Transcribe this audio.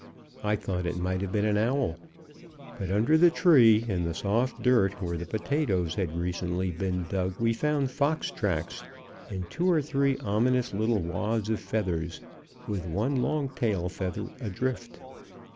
I thought it might have been an owl. But under the tree, in the soft dirt, where the potatoes had recently been dug, we found fox tracks, and two or three ominous little wads of feathers, with one long tail feather adrift.